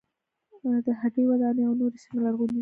د هډې وداني او نورې سیمې لرغونې دي.